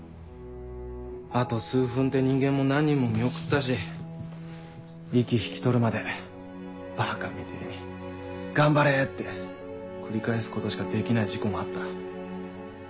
あと数分って人間も何人も見送ったし息引き取るまでバカみてぇに「頑張れ」って繰り返すことしかできない事故もあった。